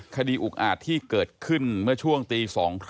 อุกอาจที่เกิดขึ้นเมื่อช่วงตี๒๓๐